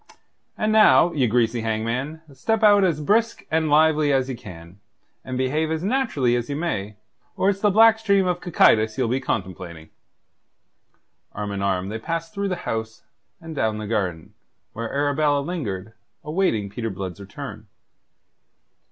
And now, ye greasy hangman, step out as brisk and lively as ye can, and behave as naturally as ye may, or it's the black stream of Cocytus ye'll be contemplating." Arm in arm they passed through the house, and down the garden, where Arabella lingered, awaiting Peter Blood's return.